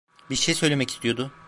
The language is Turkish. Bir şey söylemek istiyordu.